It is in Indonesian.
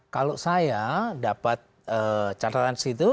kalau saya dapat catatan di situ